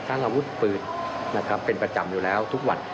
อาวุธปืนนะครับเป็นประจำอยู่แล้วทุกวัน